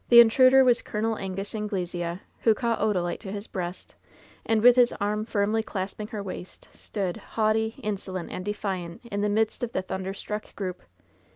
The intruder was Col. Angus Anglesea, who caught Odalite to his breast, and with his arm finnly clasping her waist, stood, haughty, insolent and defiwt, in the midst of the thunderstruck group.